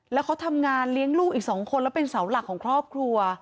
แล้วเขาทำงานเลี้ยงลูกอีก๒คนแล้วเป็นเสาหลักของครอบครัว